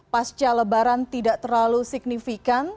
pasca lebaran tidak terlalu signifikan